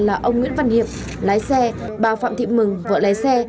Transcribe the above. là ông nguyễn văn hiệp lái xe bà phạm thị mừng vợ lấy xe